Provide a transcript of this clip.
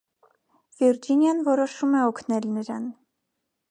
Վիրջինիան որոշում է օգնել նրան։